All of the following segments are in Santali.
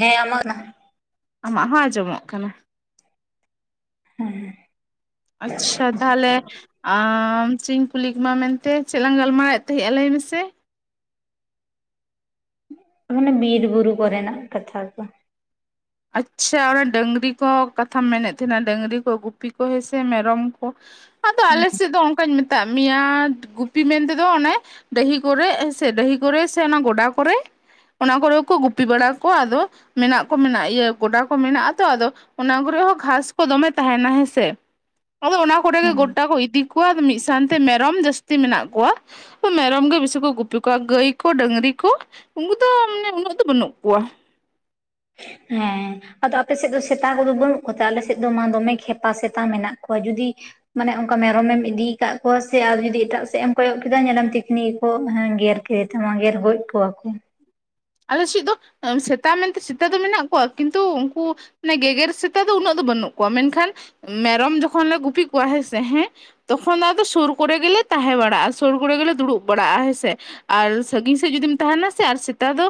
ᱦᱮᱸ ᱟᱢᱟᱜ ᱚᱱᱟᱼᱼ ᱟᱢᱟᱜ ᱦᱚᱸ ᱟᱸᱡᱚᱢᱚᱜ ᱠᱟᱱᱟ᱾ ᱦᱩᱸ ᱦᱩᱸ᱾ ᱟᱪᱪᱷᱟ ᱛᱟᱦᱚᱞᱮᱼᱼ ᱟᱻ ᱪᱮᱫ ᱤᱧ ᱠᱩᱞᱤ ᱠᱟ ᱢᱮᱱᱛᱮ ᱪᱮᱫ ᱞᱟᱝ ᱜᱟᱞᱢᱟᱨᱟᱣᱮᱫ ᱛᱟᱦᱮᱸᱜᱼᱟ ᱞᱟᱹᱭ ᱢᱮᱥᱮ? ᱢᱟᱱᱮ ᱵᱤᱨ ᱵᱩᱨᱩ ᱠᱚᱨᱮᱱᱟ ᱠᱟᱛᱷᱟ ᱠᱚᱼᱼ ᱟᱪᱪᱷᱟ ᱚᱱᱟ ᱰᱟᱹᱝᱨᱤ ᱠᱚ ᱠᱟᱛᱷᱟᱢ ᱢᱮᱱᱮᱫ ᱛᱟᱦᱮᱱᱟ ᱰᱟᱹᱝᱨᱤ ᱠᱚ ᱜᱩᱯᱤ ᱠᱚ ᱦᱮᱸ ᱥᱮ ᱢᱮᱨᱚᱢ ᱠᱚᱼᱼ ᱟᱫᱚ ᱟᱞᱮ ᱥᱮᱫ ᱫᱚ ᱚᱱᱠᱟᱧ ᱢᱮᱛᱟᱫ ᱢᱮᱭᱟ ᱜᱩᱯᱤᱼᱼ ᱯᱤ ᱢᱮᱱ ᱛᱮᱫᱚ ᱚᱱᱮ ᱰᱟᱹᱦᱤ ᱠᱚᱨᱮ ᱦᱮᱸ ᱥᱮ ᱰᱟᱹᱦᱤ ᱠᱚᱨᱮ ᱥᱮ ᱚᱱᱟ ᱜᱚᱰᱟ ᱠᱚᱨᱮᱼᱼ ᱚᱱᱟ ᱠᱚᱨᱮ ᱠᱚ ᱜᱩᱯᱤ ᱵᱟᱲᱟ ᱠᱚᱣᱟ ᱟᱫᱚ ᱢᱮᱱᱟᱜ ᱠᱚ ᱢᱮᱱᱟᱜᱼᱼ ᱤᱭᱟᱹ ᱜᱚᱰᱟ ᱠᱚ ᱢᱮᱱᱟᱜ-ᱟ ᱛᱚ ᱟᱫᱚ ᱚᱱᱟ ᱠᱚᱨᱮ ᱦᱚᱸ ᱜᱷᱟᱥ ᱠᱚ ᱫᱚᱢᱮ ᱛᱟᱦᱮᱱᱟ ᱦᱮᱸᱥᱮ᱾ ᱟᱫᱚ ᱚᱱᱟ ᱠᱚᱨᱮ ᱜᱮ ᱦᱩᱸ ᱜᱚᱴᱟ ᱠᱚ ᱤᱫᱤ ᱠᱚᱣᱟ ᱢᱤᱫ ᱥᱟᱶᱛᱮ ᱢᱮᱨᱚᱢ ᱡᱟᱹᱥᱛᱤ ᱢᱮᱱᱟᱜ ᱠᱚᱣᱟ᱾ ᱢᱮᱨᱚᱢ ᱜᱮ ᱵᱮᱥᱤ ᱠᱚ ᱜᱩᱯᱤ ᱠᱚᱣᱟ ᱜᱟᱹᱭ ᱠᱚ ᱰᱟᱹᱝᱨᱤ ᱠᱚᱼᱼ ᱩᱱᱠᱩ ᱫᱚ ᱢᱟᱱᱮ ᱩᱱᱟᱹᱜ ᱫᱚ ᱵᱟᱹᱱᱩᱜ ᱠᱚᱣᱟᱼᱼ ᱦᱮᱸ᱾ ᱟᱫᱚ ᱟᱯᱮ ᱥᱮᱫ ᱫᱚ ᱥᱮᱛᱟ ᱠᱚᱫᱚ ᱵᱟᱹᱱᱩᱜ ᱠᱚᱛᱮ ᱟᱞᱮ ᱥᱮᱫ ᱫᱚ ᱢᱟ ᱫᱚᱢᱮ ᱠᱷᱮᱯᱟ ᱥᱮᱛᱟ ᱢᱮᱱᱟᱜ ᱠᱚᱣᱟ ᱡᱩᱫᱤᱼᱼ ᱢᱟᱱᱮ ᱚᱱᱠᱟ ᱢᱮᱨᱚᱢᱮᱢ ᱤᱫᱤᱭᱠᱟᱫ ᱠᱚᱣᱟ ᱥᱮ ᱟᱨ ᱡᱩᱫᱤ ᱮᱴᱟᱜ ᱥᱮᱫ ᱮᱢ ᱠᱚᱭᱚᱜ ᱠᱮᱫᱟ ᱧᱮᱞᱟᱢ ᱛᱤᱠᱷᱱᱤ ᱜᱮ ᱠᱚ ᱜᱮᱨ ᱠᱮᱫᱮᱼᱼ ᱥᱮ ᱛᱮᱢᱟ ᱜᱮᱨ ᱦᱚᱡ ᱠᱚᱣᱟ ᱠᱚᱼᱼ ᱟᱞᱮ ᱪᱮᱫ ᱫᱚ ᱥᱮᱛᱟ ᱢᱮᱱᱛᱮ ᱥᱮᱛᱟ ᱫᱚ ᱢᱮᱱᱟᱜ ᱠᱚᱣᱟ ᱠᱤᱱᱛᱩ ᱩᱱᱠᱩᱼᱼ ᱢᱟᱱᱮ ᱜᱮᱜᱮᱨ ᱥᱮᱛᱟ ᱫᱚ ᱩᱱᱟᱹᱜ ᱫᱚ ᱵᱟᱹᱱᱩᱜ ᱠᱚᱣᱟ ᱢᱮᱱᱠᱷᱟᱱ ᱢᱮᱨᱚᱢ ᱡᱚᱠᱷᱚᱱ ᱞᱮ ᱜᱩᱯᱤ ᱠᱚᱣᱟ ᱦᱮᱸᱥᱮ ᱦᱮᱸ᱾ ᱛᱚᱠᱷᱚᱱ ᱫᱚ ᱟᱫᱚ ᱥᱩᱨ ᱠᱚᱨᱮ ᱜᱮᱞᱮ ᱛᱟᱦᱮᱸ ᱵᱟᱲᱟᱜᱼᱟ ᱥᱳᱨ ᱠᱚᱨᱮ ᱜᱮᱞᱮ ᱫᱩᱲᱩᱵ ᱵᱟᱲᱟᱜᱼᱟ ᱦᱮᱸᱥᱮ᱾ ᱟᱨ ᱥᱟᱺᱜᱤᱧ ᱥᱮᱫ ᱡᱩᱫᱤᱢ ᱛᱟᱦᱮᱱᱟ ᱥᱮ ᱟᱨ ᱥᱮᱛᱟᱼᱼ ᱥᱮᱛᱟ ᱫᱚ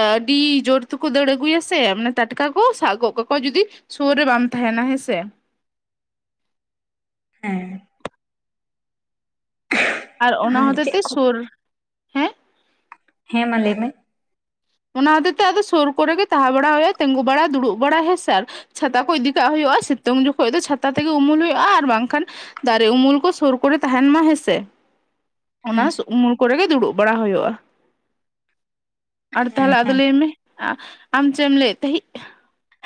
ᱟᱹᱰᱤ ᱡᱳᱨ ᱛᱮᱠᱚ ᱫᱟᱹᱲ ᱟᱹᱜᱩᱭᱟ ᱥᱮ ᱢᱟᱱᱮ ᱴᱟᱴᱠᱟ ᱠᱚ ᱥᱟᱵ ᱜᱚᱫ ᱠᱟᱠᱚᱣᱟ ᱡᱩᱫᱤᱼᱼ ᱥᱳᱨ ᱨᱮ ᱵᱟᱢ ᱛᱟᱦᱮᱱᱟ ᱦᱮᱸ ᱥᱮ, ᱦᱮᱸ, ᱟᱨ ᱚᱱᱟ ᱪᱮᱫ ᱦᱚᱛᱮ-ᱛᱮ ᱠᱚ ᱥᱩᱨ ᱦᱮᱸ ᱦᱮᱸ ᱢᱟ ᱞᱟᱹᱭ ᱢᱮ, ᱚᱱᱟ ᱦᱚᱛᱮ ᱛᱮ ᱟᱫᱚ ᱥᱳᱨ ᱠᱚᱨᱮ ᱜᱮ ᱛᱟᱦᱮᱸ ᱵᱟᱲᱟ ᱦᱩᱭᱩᱜᱼᱟ, ᱛᱤᱸᱜᱩ ᱵᱟᱲᱟ, ᱫᱩᱲᱩᱵ ᱵᱟᱲᱟ, ᱦᱮᱸᱥᱮ ᱟᱨ ᱪᱷᱟᱛᱟ ᱠᱚ ᱤᱫᱤ ᱠᱟᱜ ᱦᱩᱭᱩᱜᱼᱟ, ᱥᱤᱛᱩᱝ ᱡᱚᱠᱷᱚᱡ ᱫᱚ ᱪᱷᱟᱛᱟ ᱛᱮᱜᱮ ᱩᱢᱩᱞ ᱦᱩᱭᱩᱜᱼᱟ, ᱟᱨ ᱵᱟᱝᱠᱷᱟᱱ ᱫᱟᱨᱮ ᱩᱢᱩᱞ ᱠᱚ ᱥᱳᱨ ᱠᱚᱨᱮ ᱛᱟᱦᱮᱱ ᱢᱟ ᱦᱮᱸᱥᱮ? ᱚᱱᱟ ᱦᱮᱸ ᱩᱢᱩᱞ ᱠᱚᱨᱮ ᱜᱮ, ᱫᱩᱲᱩᱵ ᱵᱟᱲᱟ ᱦᱳᱭᱳᱜᱼᱟ᱾ ᱟᱨ ᱦᱮᱸ ᱛᱟᱦᱚᱞᱮ, ᱟᱫᱚ ᱦᱮᱸ ᱞᱟᱹᱭ ᱢᱮ ᱟᱢ ᱪᱮᱫ ᱮᱢ ᱞᱟᱹᱭᱮᱫ ᱛᱟᱦᱤᱸᱜ?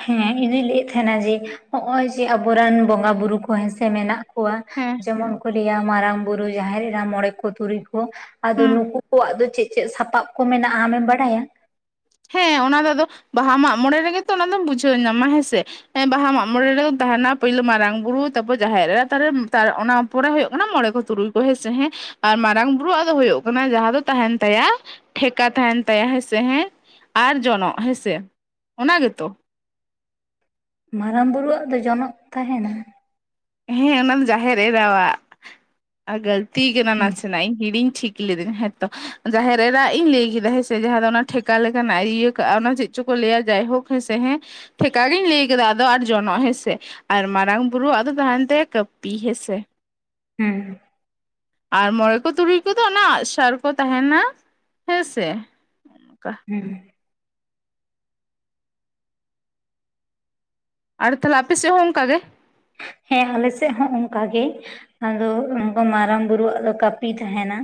ᱦᱮᱸ ᱤᱧ ᱫᱩᱧ ᱞᱟᱹᱭᱮᱫ ᱛᱟᱦᱮᱱᱟ ᱡᱮ, ᱦᱚᱸᱜ-ᱚᱭ ᱡᱮ ᱟᱵᱚᱨᱮᱱ ᱵᱚᱸᱜᱟ ᱵᱩᱨᱩ ᱠᱚ ᱦᱮᱸᱥᱮ ᱢᱮᱱᱟᱜ ᱠᱚᱣᱟ, ᱦᱮᱸ ᱡᱮᱢᱚᱱ ᱠᱚ ᱞᱟᱹᱭᱟ, ᱢᱟᱨᱟᱝ ᱵᱩᱨᱩ, ᱡᱟᱦᱮᱨ ᱮᱨᱟ, ᱢᱚᱬᱮ ᱠᱚ ᱛᱩᱨᱩᱭ ᱠᱚ ᱟᱫᱚ ᱦᱩᱸ ᱱᱩᱠᱩ ᱠᱚᱣᱟᱜ ᱫᱚ ᱪᱮᱫ ᱪᱮᱫ ᱥᱟᱯᱟᱵ ᱠᱚ ᱢᱮᱱᱟᱜᱼᱟ, ᱟᱢᱮᱢ ᱵᱟᱲᱟᱭᱟ? ᱦᱮᱸ ᱚᱱᱟ ᱫᱚ ᱟᱫᱚ, ᱵᱟᱦᱟ ᱢᱟᱜ ᱢᱚᱬᱮ ᱨᱮᱜᱮᱛᱚ ᱚᱱᱟ ᱫᱚᱢ ᱵᱩᱡᱷᱟᱹᱣ ᱧᱟᱢᱟ ᱦᱮᱸ ᱥᱮ, ᱦᱮᱸ ᱵᱟᱦᱟ ᱢᱟᱜ ᱢᱚᱬᱮ ᱨᱮᱫᱚ ᱛᱟᱦᱮᱱᱟ, ᱯᱳᱭᱞᱳ ᱢᱟᱨᱟᱝ ᱵᱩᱨᱩ ᱛᱟᱨᱯᱚᱨ ᱡᱟᱦᱮᱨ ᱮᱨᱟ [unintelligible] ᱚᱱᱟ ᱛᱟᱨᱯᱚᱨᱮ ᱦᱩᱭᱩᱜ ᱠᱟᱱᱟ ᱢᱚᱬᱮ ᱠᱚ ᱛᱩᱨᱩᱭ ᱠᱚ ᱦᱮᱸᱥᱮ ᱦᱮᱸ, ᱟᱨ ᱢᱟᱨᱟᱝ ᱵᱩᱨᱩ-ᱟᱜ ᱫᱚ ᱦᱳᱭᱳᱜ ᱠᱟᱱᱟ ᱡᱟᱦᱟᱸ ᱫᱚ ᱛᱟᱦᱮᱱ ᱛᱟᱭᱟ ᱴᱷᱮᱠᱟ ᱛᱟᱦᱮᱱ ᱛᱟᱭᱟ ᱦᱮᱸᱥᱮ ᱦᱮᱸ, ᱟᱨ ᱡᱚᱱᱚᱜ ᱦᱮᱸᱥᱮ, ᱚᱱᱟ ᱜᱮᱛᱚ? ᱢᱟᱨᱟᱝ ᱵᱩᱨᱩᱣᱟᱜ ᱫᱚ ᱡᱚᱱᱚᱜ ᱛᱟᱦᱮᱱᱟ? ᱦᱮᱸ ᱚᱱᱟ ᱫᱚ ᱡᱟᱦᱮᱨ ᱮᱨᱟᱭᱟᱜ, ᱜᱟᱹᱞᱛᱤᱣ ᱠᱟᱱᱟ ᱦᱮᱸ ᱱᱟᱥᱮᱱᱟᱜ, ᱤᱧ ᱦᱤᱲᱤᱧ ᱴᱷᱤᱠ ᱞᱤᱫᱟᱹᱧ ᱦᱮᱸᱛᱚ, ᱡᱟᱦᱮᱨ ᱨᱮᱱᱟᱜ ᱤᱧ ᱞᱟᱹᱭ ᱠᱮᱫᱟ ᱦᱮᱸ ᱥᱮ, ᱡᱟᱦᱟᱸ ᱫᱚ ᱚᱱᱟ ᱴᱷᱮᱠᱟ ᱞᱮᱠᱟᱱᱟᱜ ᱮ ᱤᱭᱟᱹ ᱠᱟᱜᱼᱟ ᱚᱱᱟ ᱫᱚ ᱪᱮᱫᱼᱼ ᱪᱚᱠᱚ ᱞᱟᱹᱭᱟ ᱡᱟᱭᱦᱳᱠ ᱦᱮᱸ ᱥᱮ ᱦᱮ, ᱴᱷᱮᱠᱟ ᱜᱤᱧ ᱞᱟᱹᱭ ᱠᱮᱫᱟ, ᱟᱫᱚ ᱟᱨ ᱡᱚᱱᱚᱜ ᱦᱮᱸᱥᱮ, ᱟᱨ ᱢᱟᱨᱟᱝ ᱵᱩᱨᱩ ᱟᱜᱼᱼ ᱫᱚ ᱛᱟᱦᱮᱱ ᱛᱟᱭᱟ ᱠᱟᱹᱯᱤ ᱦᱮᱸ ᱥᱮ, ᱦᱩᱸ। ᱟᱨ ᱢᱚᱬᱮ ᱠᱚ ᱛᱩᱨᱩᱭ ᱠᱚᱫᱚ ᱚᱱᱟ ᱟᱜᱼᱥᱟᱨ ᱠᱚ ᱛᱟᱦᱮᱱᱟ ᱦᱮᱸ ᱥᱮ। ᱦᱩᱸ ᱟᱨ ᱛᱟᱦᱚᱞᱮ ᱟᱯᱮ ᱥᱮᱜ ᱦᱚᱸ ᱚᱱᱠᱟ ᱜᱮ? ᱦᱮᱸ ᱟᱞᱮ ᱥᱮᱫ ᱦᱚᱸ ᱚᱱᱠᱟᱜᱮ। ᱟᱫᱚ ᱩᱱᱠᱟ ᱢᱟᱨᱟᱝ ᱵᱩᱨᱩᱣᱟᱜ ᱫᱚ ᱠᱟᱹᱯᱤ ᱛᱟᱦᱮᱱᱟ,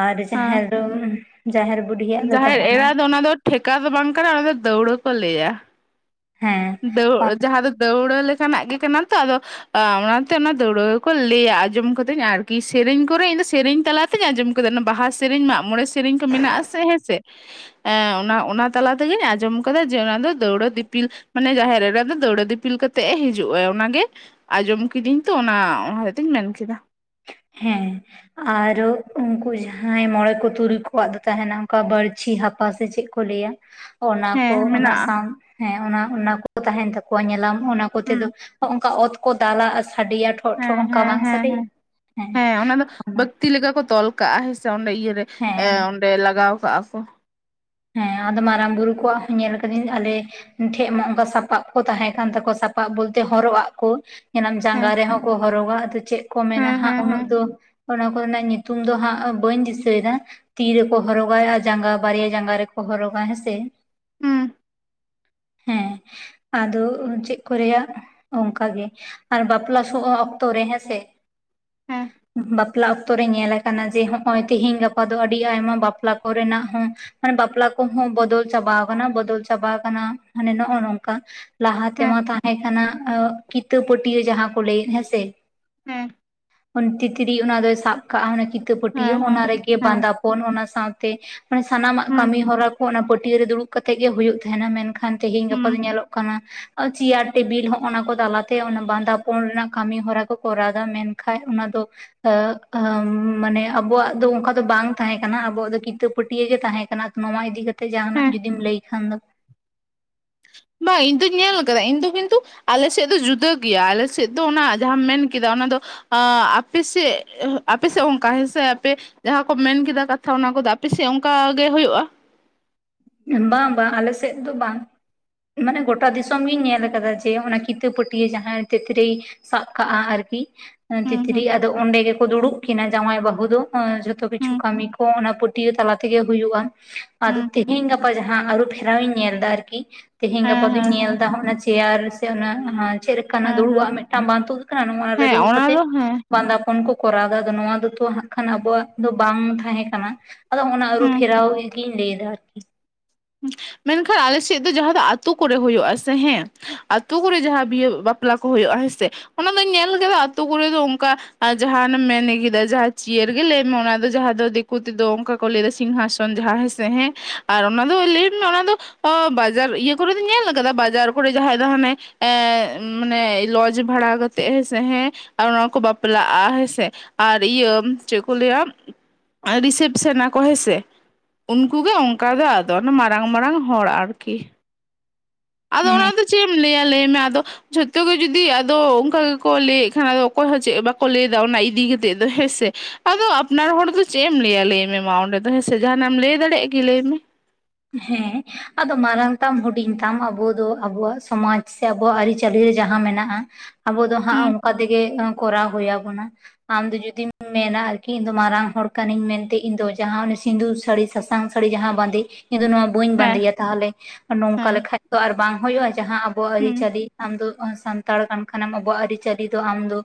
ᱟᱨ ᱦᱮᱸ ᱡᱟᱦᱟᱸᱭ ᱫᱚᱼᱼ ᱡᱟᱦᱮᱨ ᱵᱩᱰᱷᱤᱭᱟᱜ ᱫᱚ ᱡᱟᱦᱮᱨ ᱛᱟᱦᱮᱱᱟᱼᱼ ᱮᱨᱟ ᱫᱚ ᱚᱱᱟ ᱫᱚ ᱴᱷᱮᱠᱟ ᱫᱚ ᱵᱟᱝ ᱠᱟᱱᱟ, ᱚᱱᱟ ᱫᱚ ᱫᱟᱹᱣᱲᱟᱹ ᱠᱚ ᱞᱟᱹᱭᱟ। ᱦᱮᱸ, ᱫᱟᱹᱣ ᱡᱟᱦᱟᱸ ᱫᱚ ᱫᱟᱹᱣᱲᱟᱹ ᱞᱮᱠᱟᱱᱟᱜ ᱜᱮ ᱠᱟᱱᱟ ᱛᱚ ᱟᱫᱚᱼᱼ ᱟ ᱚᱱᱟᱛᱮ ᱚᱱᱟ ᱫᱟᱹᱣᱲᱟᱹᱠᱚ ᱞᱟᱹᱭᱟ, ᱟᱸᱡᱚᱢ ᱠᱟᱹᱫᱟᱹᱧ ᱟᱨᱠᱤ ᱥᱮᱨᱮᱧ ᱠᱚᱨᱮ ᱤᱧ ᱫᱚ ᱥᱮᱨᱮᱧ ᱛᱟᱞᱟᱼᱼ ᱟᱸᱡᱚᱢ ᱠᱟᱫᱟ ᱵᱟᱦᱟ ᱥᱮᱨᱮᱧ, ᱢᱟᱜᱢᱚᱬᱮ ᱥᱮᱨᱮᱧ ᱠᱚ ᱢᱮᱱᱟᱜᱼᱟ ᱥᱮ ᱦᱮᱸ ᱥᱮ, ᱮ ᱚᱱᱟ ᱚᱱᱟ ᱛᱟᱞᱟ ᱛᱮᱜᱤᱧ ᱟᱸᱡᱚᱢ ᱠᱟᱫᱟ, ᱡᱮ ᱚᱱᱟ ᱫᱚ ᱫᱟᱹᱣᱲᱟᱹ ᱫᱤᱯᱤᱞᱼᱼ ᱢᱟᱱᱮ ᱡᱟᱦᱮᱨ ᱮᱨᱟ ᱫᱚ ᱫᱟᱹᱣᱲᱟᱹ ᱫᱤᱯᱤᱞ ᱠᱟᱛᱮᱜ ᱮ ᱦᱤᱡᱩᱜᱼᱟ, ᱚᱱᱟ ᱜᱮᱼᱼ ᱟᱸᱡᱚᱢ ᱠᱤᱫᱤᱧ ᱛᱚ ᱚᱱᱟ, ᱚᱱᱟ ᱦᱛᱮᱛᱮᱧ ᱢᱮᱱ ᱠᱮᱫᱟ। ᱦᱮᱸ, ᱟᱨ ᱩᱱᱠᱩ ᱡᱟᱦᱟᱸᱭ ᱢᱚᱬᱮ ᱠᱚ ᱛᱩᱨᱩᱭ ᱠᱚᱣᱟᱜ ᱫᱚ ᱛᱟᱦᱮᱱᱟ, ᱚᱱᱠᱟ ᱵᱟᱹᱲᱪᱷᱤ ᱦᱟᱯ ᱯᱟ ᱥᱮ ᱪᱮᱫ ᱠᱚ ᱞᱟᱹᱭᱟ। ᱚᱱᱟ ᱠᱚ ᱦᱮᱸ ᱚᱱᱟ ᱢᱮᱱᱟᱜᱼᱟ ᱥᱟᱶ ᱦᱮᱸ ᱚᱱᱟ ᱚᱱᱟ ᱠᱚ ᱛᱟᱦᱮᱱ ᱛᱟᱠᱚᱭᱟ ᱧᱮᱞᱟᱢ, ᱚᱱᱟ ᱠᱚᱛᱮ ᱫᱚ ᱦᱩᱸ ᱚᱱᱠᱟ ᱚᱛ ᱠᱚ ᱫᱟᱞᱟ, ᱟᱨ ᱥᱟᱰᱮᱭᱟ ᱴᱷᱚᱜ ᱦᱮᱸ ᱴᱷᱚᱜ ᱚᱱᱠᱟ ᱦᱮᱸ ᱵᱟᱝ ᱦᱮᱸ ᱥᱟᱰᱮᱭᱟ? ᱦᱮᱸ ᱦᱮᱸ ᱚᱱᱟ ᱫᱚ ᱵᱟᱹᱠᱛᱤ ᱞᱮᱠᱟ ᱠᱚ ᱛᱚᱞ ᱠᱟᱜᱼᱟ ᱦᱮ ᱥᱮ ᱚᱸᱰᱮ ᱤᱭᱟᱹᱨᱮ ᱮ ᱦᱮᱸ ᱚᱸᱰᱮ ᱞᱟᱜᱟᱣ ᱠᱟᱜᱼᱟ ᱠᱚ। ᱦᱮᱸ ᱟᱫᱚ ᱢᱟᱨᱟᱝ ᱵᱩᱨᱩ ᱠᱚᱣᱟᱜ ᱦᱚᱸᱧ ᱧᱮᱞ ᱟᱠᱟᱫᱟᱹᱧ ᱟᱞᱮᱼᱼ ᱴᱷᱮᱡ ᱢᱟ ᱚᱱᱠᱟ ᱥᱟᱯᱟᱵ ᱠᱚ ᱛᱟᱦᱮᱸ ᱠᱟᱱ ᱛᱟᱠᱚᱣᱟ ᱥᱟᱯᱟᱵ ᱵᱚᱞᱛᱮ ᱦᱚᱨᱚᱜ ᱟᱜ ᱠᱚ᱾ ᱧᱮᱞᱟᱢ ᱡᱟᱸᱜᱟ ᱦᱮᱸ ᱨᱮᱦᱚᱸ ᱠᱚ ᱦᱚᱨᱚᱜᱟ ᱟᱫᱚ ᱪᱮᱫ ᱠᱚ ᱢᱮᱱᱟ ᱦᱮᱸ ᱦᱟᱸᱜ ᱦᱮᱸ ᱩᱱᱟᱹᱜ ᱦᱮᱸ ᱫᱚ ᱚᱱᱟ ᱠᱚᱨᱮᱱᱟᱜ ᱧᱩᱛᱩᱢ ᱫᱚ ᱦᱟᱸᱜ ᱵᱟᱹᱧ ᱫᱤᱥᱟᱹᱭ ᱮᱫᱟ᱾ ᱛᱤ ᱨᱮᱠᱚ ᱦᱚᱨᱚᱜᱟ ᱟᱨ ᱡᱟᱸᱜᱟ ᱵᱟᱨᱭᱟ ᱡᱟᱸᱜᱟ ᱨᱮᱠᱚ ᱦᱚᱨᱚᱜᱟ ᱦᱮᱸᱥᱮ᱾ ᱦᱩᱸ ᱦᱮᱸ ᱟᱫᱚ ᱪᱮᱫ ᱠᱚ ᱨᱮᱭᱟᱜ ᱚᱱᱠᱟ ᱜᱮ᱾ ᱟᱨ ᱵᱟᱯᱞᱟ ᱥᱚᱦᱚᱜ ᱚᱠᱛᱚ ᱨᱮ ᱦᱮᱸᱥᱮ ᱦᱮᱸ ᱵᱟᱯ- ᱯᱞᱟ ᱚᱠᱛᱚ ᱨᱮ ᱧᱮᱞ ᱟᱠᱟᱱᱟ ᱡᱮ ᱦᱚᱸᱜ-ᱚᱭ ᱛᱮᱦᱮᱧ ᱜᱟᱯᱟ ᱫᱚ ᱟᱹᱰᱤ ᱟᱭᱢᱟ ᱵᱟᱯᱞᱟ ᱠᱚᱨᱮᱱᱟᱜ ᱦᱚᱸ ᱢᱟᱱᱮ ᱵᱟᱯᱞᱟ ᱠᱚᱦᱚᱸ ᱵᱚᱫᱚᱞ ᱪᱟᱵᱟ ᱟᱠᱟᱱᱟ ᱵᱚᱫᱚᱞ ᱪᱟᱵᱟ ᱟᱠᱟᱱᱟ ᱢᱟᱱᱮ ᱱᱚᱜ-ᱚ ᱱᱚᱝᱠᱟ ᱞᱟᱦᱟ ᱦᱮᱸ ᱛᱮᱢᱟ ᱛᱟᱦᱮᱸ ᱠᱟᱱᱟ ᱠᱤᱛᱟᱹ ᱯᱟᱹᱴᱭᱟᱹ ᱡᱟᱦᱟᱸ ᱠᱚ ᱞᱟᱹᱭᱮᱫ ᱦᱮᱸᱥᱮ᱾ ᱦᱮᱸ ᱚᱱ-ᱛᱤᱛᱨᱤ ᱚᱱᱟ ᱫᱚᱭ ᱥᱟᱵ ᱠᱟᱜ-ᱟ ᱢᱟᱱᱮ ᱠᱤᱛᱟᱹ ᱯᱟᱹᱴᱭᱟᱹ ᱦᱮᱸ ᱚᱱᱟ ᱦᱮᱸ ᱨᱮ- ᱜᱮ ᱦᱮᱸ ᱵᱟᱸᱫᱟᱯᱚᱱ ᱚᱱᱟ ᱥᱟᱶᱛᱮ ᱢᱟᱱᱮ ᱥᱟᱱᱟᱢᱟᱜ ᱦᱩᱸ ᱠᱟᱹᱢᱤ ᱦᱚᱨᱟ ᱚᱱᱟ ᱯᱟᱹᱴᱭᱟᱹ ᱨᱮ ᱫᱩᱲᱩᱵ ᱠᱟᱛᱮ ᱜᱮ ᱦᱳᱭᱳᱜ ᱛᱟᱦᱮᱱᱟ ᱢᱮᱱᱠᱷᱟᱱ ᱛᱮᱦᱮᱧ ᱜᱟᱯᱟ ᱦᱩᱸ ᱫᱚ ᱧᱮᱞᱚᱜ ᱠᱟᱱᱟ ᱪᱮᱭᱟᱨ ᱴᱮᱵᱤᱞ ᱦᱚᱸᱜ-ᱚᱱᱟ ᱠᱚ ᱛᱟᱞᱟᱛᱮ ᱚᱱᱟ ᱵᱟᱸᱫᱟᱯᱚᱱ ᱨᱮᱱᱟᱜ ᱠᱟᱹᱢᱤ ᱦᱚᱨᱟ ᱠᱚ ᱠᱚᱨᱟᱣᱫᱟ ᱢᱮᱱ- ᱠᱷᱟᱱ ᱚᱱᱟ ᱫᱚ ᱢᱟᱱᱮ ᱟᱵᱚᱣᱟᱜ ᱫᱚ ᱚᱱᱠᱟ ᱫᱚ ᱵᱟᱝ ᱛᱟᱦᱮᱸ ᱠᱟᱱᱟ, ᱟᱵᱚᱣᱟᱜ ᱫᱚ ᱠᱤᱛᱟᱹ ᱯᱟᱹᱴᱭᱟᱹ ᱜᱮ ᱛᱟᱦᱮᱸ ᱠᱟᱱᱟ᱾ ᱱᱚᱣᱟ ᱤᱫᱤ ᱠᱟᱛᱮ ᱡᱟᱦᱟᱱᱟᱜ ᱦᱮᱸ ᱡᱩᱫᱤᱢ ᱞᱟᱹᱭ ᱠᱷᱟᱱ ᱫᱚ, ᱵᱟᱝ ᱤᱧ ᱫᱩᱧ ᱧᱮᱞ ᱟᱠᱟᱫᱟ ᱤᱧ ᱫᱚ ᱠᱤᱱᱛᱩ ᱟᱞᱮ ᱥᱮᱫ ᱫᱚ ᱡᱩᱫᱟᱹ ᱜᱮᱭᱟ ᱟᱞᱮ ᱥᱮᱫ ᱫᱚ ᱚᱱᱟ ᱡᱟᱦᱟᱸᱢ ᱢᱮᱱ ᱠᱮᱫᱟ ᱚᱱᱟ ᱫᱚ ᱟᱯᱮ ᱥᱮᱫ ᱟᱯᱮ ᱥᱮᱫ ᱚᱱᱠᱟ ᱦᱮᱸ ᱥᱮ, ᱟᱯᱮ ᱡᱟᱦᱟᱸ ᱠᱚ ᱢᱮᱱ ᱠᱮᱫᱟ ᱠᱟᱛᱷᱟ ᱚᱱᱟ ᱠᱚᱫᱚ ᱟᱯᱮᱥᱮᱜ ᱚᱱᱠᱟ ᱜᱮ ᱦᱳᱭᱳᱜ-ᱟ᱾ ᱵᱟᱝ ᱵᱟᱝ ᱟᱞᱮ ᱥᱮᱫ ᱫᱚ ᱵᱟᱝ᱾ ᱢᱟᱱᱮ ᱜᱚᱴᱟ ᱫᱤᱥᱚᱢ ᱜᱤᱧ ᱧᱮᱞ ᱟᱠᱟᱫᱟ᱾ ᱡᱮ ᱚᱱᱟ ᱠᱤᱛᱟᱹ ᱯᱟᱹᱴᱭᱟᱹ ᱡᱟᱦᱟᱸᱭ ᱛᱤᱛᱨᱤ ᱥᱟᱵ ᱠᱟᱜ-ᱟ ᱟᱨᱠᱤ ᱦᱩᱸ ᱛᱤᱛᱨᱤ ᱦᱩᱸ ᱟᱫᱚ ᱚᱸᱰᱮ ᱜᱮᱠᱚ ᱫᱩᱲᱩᱵ ᱠᱤᱱᱟᱹ ᱡᱟᱶᱟᱭ ᱵᱟᱹᱦᱩ ᱫᱚ᱾ [unintelligible] ᱡᱷᱚᱛᱚ ᱠᱤᱪᱷᱩ ᱦᱩᱸ ᱠᱟᱹᱢᱤ ᱠᱚ ᱚᱱᱟ ᱯᱟᱹᱴᱭᱟᱹ ᱛᱟᱞᱟ ᱛᱮᱜᱮ ᱦᱩᱭᱩᱜ-ᱟ᱾ ᱟᱫᱚ ᱦᱩᱸ ᱦᱩᱸ ᱛᱮᱦᱮᱧ ᱜᱟᱯᱟ ᱡᱟᱦᱟᱸ ᱟᱹᱨᱩ ᱯᱷᱮᱨᱟᱣ ᱤᱧ ᱧᱮᱞ ᱮᱫᱟ ᱟᱨᱠᱤ ᱛᱮᱦᱮᱧ ᱜᱟᱯᱟ ᱦᱮᱸ ᱫᱚᱧ ᱦᱮᱸ ᱧᱮᱞ ᱦᱮᱸ ᱮᱫᱟ ᱦᱚᱜ-ᱚᱱᱟ ᱪᱮᱭᱟᱨ ᱥᱮ ᱪᱮᱫ ᱦᱮᱸ ᱫᱩᱲᱩᱵ ᱦᱮᱸ ᱟᱜ ᱢᱤᱫᱴᱟᱝ ᱵᱟᱝ ᱛᱩᱫ ᱟᱠᱟᱱᱟ ᱱᱚᱣᱟ ᱨᱮ ᱦᱮᱸ ᱫᱩᱲᱩᱵ ᱚᱱᱟ ᱠᱟᱛᱮ᱾ ᱫᱚ ᱦᱮᱸ ᱵᱟᱸᱫᱟᱯᱚᱱ ᱠᱚ ᱠᱚᱨᱟᱣ ᱮᱫᱟ ᱟᱨ ᱱᱚᱣᱟ ᱫᱚᱛᱚ ᱦᱟᱸᱜ ᱠᱷᱟᱱ ᱟᱵᱚᱣᱟᱜ ᱫᱚ ᱵᱟᱝ ᱛᱟᱦᱮᱸ ᱠᱟᱱᱟ᱾ ᱟᱫᱚ ᱚᱱᱟ ᱟᱹᱨᱩ ᱦᱩᱸ ᱯᱷᱮᱨᱟᱣ ᱜᱤᱧ ᱞᱟᱹᱭ ᱮᱫᱟ ᱟᱨᱠᱤ᱾ ᱦᱩᱸ ᱢᱮᱱᱠᱷᱟᱱ ᱟᱞᱮ ᱥᱮᱫ ᱫᱚ ᱡᱟᱦᱟᱸ ᱫᱚ ᱟᱛᱳ ᱠᱚᱨᱮ ᱦᱩᱭᱩᱜ-ᱟ ᱥᱮ ᱦᱮᱸ ᱟᱛᱳ ᱠᱚᱨᱮ ᱡᱟᱦᱟᱸ ᱵᱤᱦᱟᱹ ᱵᱟᱯᱞᱟ ᱠᱚ ᱦᱩᱭᱩᱜ-ᱟ ᱦᱮᱸ ᱥᱮ ᱚᱱᱟ ᱫᱚᱧ ᱧᱮᱞ ᱠᱮᱫᱟ ᱟᱛᱳ ᱠᱚᱨᱮ ᱫᱚ ᱚᱱᱠᱟ ᱟᱨ ᱡᱟᱦᱟᱸ ᱟᱱᱮᱢ ᱢᱮᱱ ᱠᱮᱫᱟ ᱡᱟᱦᱟᱸ ᱪᱤᱭᱟᱹᱨ ᱜᱮ ᱞᱟᱹᱭ ᱢᱮ ᱚᱱᱟ ᱫᱚ ᱡᱟᱦᱟᱸ ᱫᱚ ᱫᱤᱠᱩ ᱛᱮᱫᱚ ᱚᱱᱠᱟ ᱠᱚ ᱞᱟᱹᱭᱫᱟ ᱥᱤᱝᱦᱟᱥᱚᱱ ᱡᱟᱦᱟᱸᱭ ᱦᱮᱸ ᱥᱮ ᱟᱨ ᱚᱱᱟ ᱫᱚ ᱞᱟᱹᱭ ᱢᱮ ᱚᱱᱟ ᱫᱚ ᱚ ᱵᱟᱡᱟᱨ ᱤᱭᱟᱹ ᱠᱚᱨᱮ ᱫᱚᱧ ᱧᱮᱞ ᱠᱟᱫᱟ ᱵᱟᱡᱟᱨ ᱠᱚᱨᱮ ᱡᱟᱦᱟᱸᱭ ᱫᱚ ᱦᱟᱱᱮ ᱮ ᱢᱟᱱᱮ ᱞᱚᱡᱽ ᱵᱷᱟᱲᱟ ᱠᱟᱛᱮᱜ ᱦᱮᱸ ᱥᱮ ᱦᱮᱸ ᱟᱨ ᱚᱱᱟ ᱠᱚ ᱵᱟᱯᱞᱟᱜ-ᱟ ᱦᱮᱸ ᱥᱮ᱾ ᱟᱨ ᱤᱭᱟᱹ ᱪᱮᱫ ᱠᱚ ᱞᱟᱹᱭᱟ? ᱨᱤᱥᱮᱯᱥᱮᱱ ᱟᱠᱚ ᱦᱮᱸ ᱥᱮ ᱩᱱᱠᱩ ᱜᱮ ᱚᱱᱠᱟ ᱜᱮ ᱟᱨ- ᱫᱚᱱ ᱢᱟᱨᱟᱝ ᱢᱟᱨᱟᱝ ᱦᱚᱲ ᱟᱨᱠᱤ᱾ ᱟᱫᱚ ᱦᱮᱸ ᱚᱱᱟ ᱫᱚ ᱪᱮᱫ ᱮᱢ ᱞᱟᱹᱭᱟ ᱞᱟᱹᱭ ᱢᱮ ᱟᱫᱚ? ᱡᱷᱚᱛᱚ ᱜᱮ ᱡᱩᱫᱤ ᱟᱫᱚ ᱚᱱᱠᱟ ᱜᱮᱠᱚ ᱞᱟᱹᱭ ᱮᱫ ᱠᱷᱟᱱ ᱟᱫᱚ ᱚᱠᱚᱭ ᱦᱚᱸ ᱪᱮᱫ ᱵᱟᱠᱚ ᱞᱟᱹᱭᱫᱟ ᱚᱱᱟ ᱤᱫᱤ ᱠᱟᱛᱮᱜ ᱫᱚ ᱦᱮᱸᱥᱮ᱾ ᱟᱫᱚ ᱟᱯᱱᱟᱨ ᱦᱚᱲ ᱫᱚ ᱪᱮᱫ ᱮᱢ ᱞᱟᱹᱭᱟ ᱞᱟᱹᱭ ᱢᱮ ᱢᱟ ᱚᱸᱰᱮ ᱫᱚ ᱦᱮᱸ ᱥᱮ, ᱡᱟᱦᱟᱱᱟᱜ ᱮᱢ ᱞᱟᱹᱭ ᱫᱟᱲᱮᱭᱟᱜ-ᱟ ᱠᱤ ᱞᱟᱹᱭ ᱢᱮ? ᱦᱮᱸ ᱟᱫᱚ ᱢᱟᱨᱟᱝ ᱛᱟᱢ ᱦᱩᱰᱤᱧ ᱛᱟᱢ ᱟᱵᱩ ᱫᱚ ᱟᱵᱩᱣᱟᱜ ᱥᱚᱢᱟᱡᱽ ᱥᱮ ᱟᱵᱩᱣᱟᱜ ᱟᱹᱨᱤ- ᱪᱟᱹᱞᱤ ᱨᱮ ᱡᱟᱦᱟᱸ ᱢᱮᱱᱟᱜ-ᱟ ᱟᱵᱚ ᱫᱚ ᱦᱟᱸᱜ ᱦᱩᱸ ᱚᱱᱠᱟ ᱛᱮᱜᱮ ᱠᱚᱨᱟᱣ ᱦᱩᱭ ᱟᱵᱚᱱᱟ᱾ ᱟᱢᱫᱚ ᱡᱩᱫᱤᱢ ᱢᱮᱱᱟ ᱟᱨᱠᱤ ᱤᱧ ᱫᱚ ᱢᱟᱨᱟᱝ ᱦᱚᱲ ᱠᱟᱹᱱᱟᱹᱧ ᱢᱮᱱᱛᱮ ᱤᱧ ᱫᱚ ᱡᱟᱦᱟᱸ ᱚᱱᱮ ᱥᱤᱸᱫᱩᱨ ᱥᱟᱹᱲᱤ ᱥᱟᱥ ᱥᱟᱝ ᱥᱟᱹᱲᱤ ᱡᱟᱦᱟᱸ ᱵᱟᱸᱫᱮ ᱤᱧ ᱫᱚ ᱱᱚᱣᱟ ᱵᱟᱹᱧ ᱦᱮᱸ ᱵᱟᱸᱫᱮᱭᱟ ᱛᱟᱦᱚᱞᱮ ᱱᱚᱝᱠᱟ ᱦᱮᱸ ᱞᱮᱠᱷᱟᱡ ᱛᱚ ᱟᱨ ᱵᱟᱝ ᱦᱳᱭᱳᱜ-ᱟ, ᱡᱟᱦᱟᱸ ᱟᱵᱚᱣᱟᱜ ᱦᱩᱸ ᱟᱹᱨᱤᱪᱟᱹᱞᱤ ᱟᱢᱫᱚ ᱥᱟᱱᱛᱟᱲ ᱠᱟᱱ ᱠᱷᱟᱱᱮᱢ ᱟᱵᱚᱣᱟᱜ ᱟᱹᱨᱤᱪᱟᱹᱞᱤ ᱫᱚ ᱟᱢᱫᱚ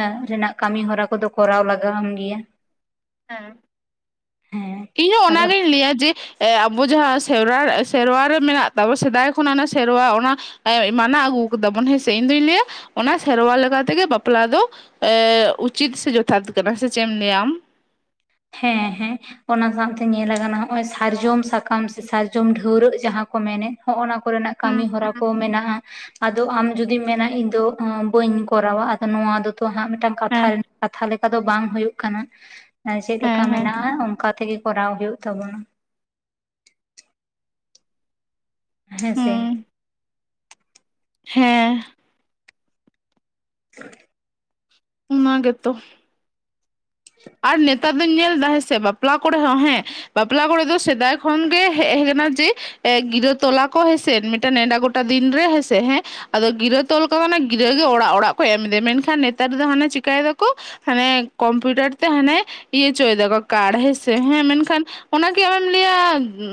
ᱮᱸ ᱨᱮᱱᱟᱜ ᱠᱟᱹᱢᱤᱦᱚᱨᱟ ᱠᱚᱫᱚ ᱠᱚᱨᱟᱣ ᱞᱟᱜᱟᱣᱟᱢ ᱜᱮᱭᱟ᱾ ᱦᱮᱸ ᱦᱮᱸ ᱤᱧ ᱦᱚᱸ ᱟᱫᱚ ᱚᱱᱟᱜᱤᱧ ᱞᱟᱹᱭᱟ ᱡᱮ ᱟᱵᱚ ᱡᱟᱦᱟᱸ ᱥᱮᱨᱣᱟ ᱥᱮᱨᱣᱟ ᱨᱮ ᱢᱮᱱᱟᱜ ᱛᱟᱵᱚ ᱥᱮᱫᱟᱭ ᱠᱷᱚᱱᱟᱜ ᱚᱱᱟ ᱥᱮᱨᱣᱟ ᱚᱱᱟ ᱮᱸ ᱢᱟᱱᱟᱣ ᱟᱹᱜᱩ ᱠᱟᱫᱟᱵᱚᱱ ᱦᱮᱸ ᱥᱮ, ᱤᱧᱫᱩᱧ ᱞᱟᱹᱭᱟ ᱚᱱᱟ ᱥᱮᱨᱣᱟ ᱞᱮᱠᱟ ᱛᱮᱜᱮ ᱵᱟᱯᱞᱟ ᱫᱚ ᱮ ᱩᱪᱤᱛ ᱥᱮ ᱡᱚᱛᱷᱟᱛ ᱠᱟᱱᱟ, ᱥᱮ ᱪᱮᱫ ᱮᱢ ᱞᱟᱹᱭᱟ ᱟᱢ? ᱦᱮᱸ ᱦᱮᱸ᱾ ᱚᱱᱟ ᱥᱟᱶᱛᱮ ᱧᱮᱞ ᱟᱠᱟᱱᱟ ᱦᱚᱸᱜ-ᱚᱭ ᱥᱟᱨᱡᱚᱢ ᱥᱟᱠᱟᱢ ᱥᱮ ᱥᱟᱨᱡᱚᱢ ᱰᱷᱟᱹᱣᱨᱟᱹᱜ ᱡᱟᱦᱟᱸ ᱠᱚ ᱢᱮᱱᱮᱫ ᱦᱚᱸᱜᱼᱚ ᱱᱟ ᱠᱚᱨᱮᱱᱟᱜ ᱦᱩᱸ ᱠᱟᱹᱢᱤ ᱦᱚᱨᱟ ᱦᱩᱸ ᱠᱚ ᱢᱮᱱᱟᱜ-ᱟ ᱟ ᱫᱚ ᱟᱢ ᱡᱩᱫᱤᱢ ᱢᱮᱱᱟ ᱤᱧ ᱫᱚ ᱵᱟᱹᱧ ᱠᱚᱨᱟᱣᱟ ᱟᱫᱚ ᱱᱚᱣᱟ ᱫᱚᱛᱚ ᱦᱟᱸᱜ ᱢᱤᱫᱴᱟᱝ ᱠᱟᱛᱷᱟ ᱦᱮᱸ ᱠᱟᱛᱷᱟ ᱞᱮᱠᱟ ᱫᱚ ᱵᱟᱝ ᱦᱩᱭᱩᱜ ᱠᱟᱱᱟ, ᱪᱮᱫ ᱞᱮᱠᱟ ᱦᱮᱸ ᱦᱮᱸ ᱢᱮᱱᱟᱜ-ᱟ ᱚᱱᱠᱟ ᱛᱮᱜᱮ ᱠᱚᱨᱟᱣ ᱦᱩᱭᱩᱜ ᱛᱟᱵᱚᱱᱟ᱾ ᱦᱮᱸ ᱥᱮ? ᱦᱩᱸ ᱦᱮᱸ᱾ [inaudible] ᱚᱱᱟ ᱜᱮᱛᱚ᱾ ᱟᱨ ᱱᱮᱛᱟᱨ ᱫᱩᱧ ᱧᱮᱞᱫᱟ ᱦᱮᱸ ᱥᱮ, ᱵᱟᱯᱞᱟ ᱠᱚᱨᱮ ᱦᱚᱸ ᱦᱮᱸ, ᱵᱟᱯᱞᱟ ᱠᱚᱨᱮ ᱫᱚ ᱥᱮᱫᱟᱭ ᱠᱷᱚᱱᱜᱮ ᱦᱮ ᱦᱮᱡ ᱠᱟᱱᱟ ᱡᱮ ᱮ ᱜᱤᱨᱟᱹ ᱛᱚᱞ ᱟᱠᱚ ᱦᱮᱸ ᱥᱮ ᱢᱤᱫᱴᱟᱝ ᱱᱮᱰᱟ ᱜᱚ ᱴᱟ ᱫᱤᱱ ᱨᱮ ᱦᱮᱸ ᱥᱮ ᱦᱮᱸ, ᱟᱫᱚ ᱜᱤᱨᱟᱹ ᱛᱚᱞ ᱠᱚ ᱢᱮᱱᱟ ᱜᱤᱨᱟᱹ ᱜᱮ ᱚᱲᱟᱜ ᱚᱲᱟᱜ ᱠᱚ ᱮᱢ ᱤᱫᱤᱭᱟ, ᱢᱮᱱᱠᱷᱟᱱ ᱱᱮᱛᱟᱨ ᱫᱚ ᱦᱟᱱᱮ ᱪᱤᱠᱟᱹᱭ ᱮᱫᱟᱠᱚ ᱦᱟᱱᱮ ᱠᱚᱢᱯᱤᱭᱩᱴᱟᱨ ᱛᱮ ᱦᱟᱱᱮ ᱤᱭᱟᱹ ᱦᱚᱪᱚᱭ ᱫᱟᱠᱚ ᱠᱟᱲ ᱦᱮᱸ ᱥᱮ ᱦᱮᱸ, ᱢᱮᱱᱠᱷᱟᱱ ᱚᱱᱟᱜᱮ ᱟᱢᱮᱢ ᱞᱟᱹᱭᱟ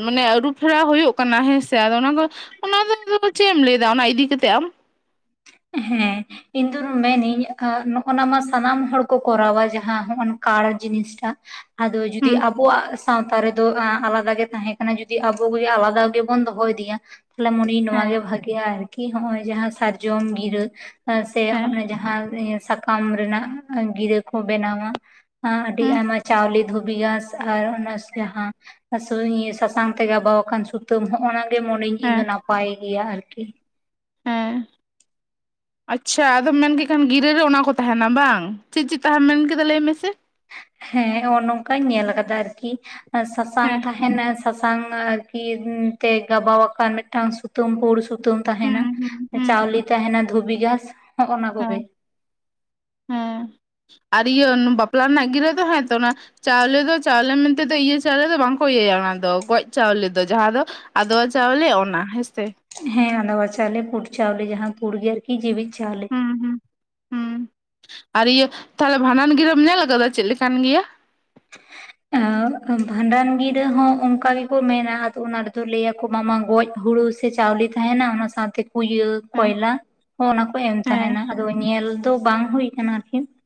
ᱢᱟᱱᱮ ᱟᱹᱨᱩ ᱯᱷᱮᱨᱟᱣ ᱦᱩᱭᱩᱜ ᱠᱟᱱᱟ ᱦᱮᱸ ᱥᱮ, ᱟᱫᱚ ᱚᱱᱟ ᱠᱚ ᱚᱱᱟ ᱫᱚ ᱟᱫᱚ ᱪᱮᱫ ᱮᱢ ᱞᱟᱹᱭᱮᱫᱟ ᱚᱱᱟ ᱤᱫᱤ ᱠᱟᱛᱮᱫ ᱟᱢ? ᱦᱮᱸ᱾ ᱤᱧ ᱫᱚ ᱢᱮᱱᱤᱧ ᱮᱸ ᱱᱚᱜ-ᱟ ᱱᱟ ᱥᱟᱱᱟᱢ ᱦᱚᱲ ᱠᱚ ᱠᱚᱨᱟᱣᱟ ᱡᱟᱦᱟᱸ ᱦᱚᱸᱜᱼᱚᱱ ᱠᱟᱲ ᱡᱤᱱᱤᱥᱴᱟᱜ᱾ ᱟᱫᱚ ᱡᱩᱫᱤ ᱦᱩᱸ ᱟᱵᱚᱣᱟᱜ ᱥᱟᱶᱛᱟ ᱨᱮᱫᱚ ᱮᱸ ᱟᱞᱟᱫᱟ ᱜᱮ ᱛᱟᱦᱮᱸ ᱠᱟᱱᱟ ᱡᱚᱫᱤ ᱟᱵᱚ ᱜᱮ ᱡᱩᱫᱤ ᱟᱞᱟᱫᱟ ᱜᱮᱵᱚᱱ ᱫᱚᱦᱚ ᱤᱫᱤᱭᱟ, ᱛᱟᱦᱞᱮ ᱢᱚᱱᱮᱭᱤᱧ ᱱᱚᱭᱟ ᱦᱮᱸ ᱜᱮ ᱵᱷᱟᱜᱮᱭᱟ ᱟᱨᱠᱤ ᱦᱚᱸᱜᱼᱚᱭ ᱡᱟᱦᱟᱸ ᱥᱟᱨᱡᱚᱢ ᱜᱤᱨᱟᱹ, ᱮᱸ ᱥᱮ ᱦᱮᱸ ᱚᱱᱮ ᱡᱟᱦᱟᱸ ᱤᱭᱟᱹ ᱥᱟᱠᱟᱢ ᱨᱮᱱᱟᱜ ᱜᱤᱨᱟᱹ ᱠᱚ ᱵᱮᱱᱟᱣᱟ᱾ ᱟᱸ ᱟᱹᱰᱤ ᱦᱩᱸ ᱟᱭᱢᱟ ᱪᱟᱣᱞᱮ ᱫᱷᱩᱵᱤ ᱜᱟᱸᱥ ᱟᱨ ᱚᱱᱟ ᱡᱟᱦᱟᱸ ᱮᱸ ᱥᱩᱸᱭ ᱥᱟᱥᱟᱝ ᱛᱮ ᱜᱟᱵᱟᱣ ᱟᱠᱟᱱ ᱥᱩᱛᱟᱹᱢ ᱦᱚᱸᱜ-ᱚ ᱱᱟ ᱜᱮ ᱢᱚᱱᱮᱭᱟᱹᱧ ᱤᱧ ᱫᱚ ᱦᱮᱸ ᱱᱟᱯᱟᱭ ᱜᱮᱭᱟ ᱟᱨᱠᱤ᱾ ᱦᱮᱸ [inaudible] ᱟᱪᱪᱷᱟ ᱟᱫᱚᱢ ᱢᱮᱱ ᱠᱮᱫ ᱠᱷᱟᱱ ᱜᱤᱨᱟᱹᱮ ᱚᱱᱟ ᱠᱚ ᱛᱟᱦᱮᱱᱟ ᱵᱟᱝ, ᱪᱮᱫ ᱪᱮᱫ ᱛᱟᱦᱮᱢ ᱢᱮᱱ ᱠᱮᱫᱟ ᱞᱟᱹᱭ ᱢᱮᱥᱮ? ᱦᱮᱸ ᱦᱚᱸᱜᱼᱚ ᱱᱚᱝᱠᱟᱧ ᱧᱮᱞ ᱟᱠᱟᱫᱟ ᱟᱨᱠᱤ ᱮᱸ ᱥᱟᱥᱟᱝ ᱦᱮᱸ ᱛᱟᱦᱮᱱᱟ ᱥᱟᱥ ᱥᱟᱝ ᱟᱨᱠᱤ ᱛᱮ ᱜᱟᱵᱟᱣ ᱟᱠᱟᱱ ᱢᱤᱫᱴᱟᱝ ᱥᱩᱛᱟᱹᱢ ᱯᱩᱲ ᱥᱩ ᱛᱟᱹᱢ ᱦᱩᱸ ᱛᱟᱦᱮᱱᱟ, ᱦᱩᱸ ᱦᱩᱸ ᱪᱟᱣᱞᱮ ᱛᱟᱦᱮᱱᱟ ᱫᱷᱩᱹᱵᱤ ᱜᱷᱟᱥ ᱦᱚᱸᱜ-ᱚ ᱱᱟ ᱠᱚᱜᱮ᱾ ᱦᱮᱸ [inaudible] ᱦᱮᱸ ᱟᱨ ᱤᱭᱟᱹ ᱵᱟᱯᱞᱟ ᱨᱮᱱᱟᱜ ᱜᱤᱨᱟᱹ ᱫᱚ ᱦᱮᱸ ᱛᱚ ᱚᱱᱟ ᱪᱟᱣᱞᱮ ᱫᱚ ᱪᱟᱣᱞᱮ ᱢᱮᱱᱛᱮ ᱫᱚ ᱤᱭᱟᱹ ᱪᱟᱣᱞᱮ ᱫᱚ ᱵᱟᱝᱠᱚ ᱤᱭᱟᱹᱭᱟ ᱚᱱᱟ ᱫᱚ ᱜᱚᱡ ᱪᱟᱣᱞᱮ ᱫᱚ, ᱡᱟᱦᱟᱸ ᱫᱚ ᱟᱫᱚᱣᱟ ᱪᱟᱣᱞᱮ ᱚᱱᱟ, ᱦᱮᱸ ᱥᱮ? ᱦᱮᱸ ᱟᱸᱫᱣᱟ ᱪᱟᱣᱞᱮ ᱯᱩᱰ ᱪᱟᱣᱞᱮ ᱡᱟᱦᱟᱸ ᱯᱩᱲ ᱜᱮ ᱟᱨᱠᱤ ᱡᱤᱣᱤᱫ ᱪᱟᱣᱞᱮ᱾ ᱦᱩᱸ ᱦᱩᱸ, ᱦᱩᱸ ᱟᱨ ᱤᱭᱟᱹ ᱛᱟᱦᱞᱮ ᱵᱷᱟᱸᱰᱟᱱ ᱜᱤᱨᱟᱹᱢ ᱧᱮᱞ ᱟᱠᱟᱫᱟ ᱪᱮᱫ ᱞᱮᱠᱟᱱ ᱜᱮᱭᱟ? [inaudible] ᱮᱸ ᱵᱷᱟᱸᱰᱟᱱ ᱜᱤᱨᱟᱹ ᱦᱚᱸ ᱚᱱᱠᱟ ᱜᱮᱠᱚ ᱢᱮᱱᱟ ᱟᱫᱚ ᱚᱱᱟ ᱨᱮᱫᱚ ᱞᱟᱹᱭᱟ ᱠᱚ ᱵᱟᱝᱢᱟ ᱜᱚᱡ ᱦᱩᱲᱩ ᱥᱮ ᱪᱟᱣᱞᱤ ᱛᱟᱦᱮᱱᱟ ᱚᱱᱟ ᱥᱟᱶᱛᱮ ᱠᱩᱭᱟᱹ ᱦᱮᱸ ᱠᱚᱭᱞᱟ ᱦᱚᱸ ᱚᱱᱟ ᱠᱚ ᱮᱢ ᱦᱮᱸ ᱛᱟᱦᱮᱱᱟ, ᱟᱫᱚ ᱧᱮᱞ ᱫᱚ ᱵᱟᱝ ᱦᱩᱭ ᱟᱠᱟᱱᱟ ᱟᱨᱠᱤ ᱾